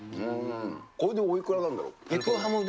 これで、おいくらなんだろう？